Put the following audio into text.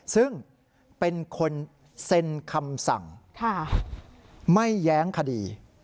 ซึ่งเป็นคนเซ็นคำสั่งไม่แย้งคดี